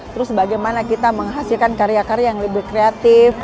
terus bagaimana kita menghasilkan karya karya yang lebih kreatif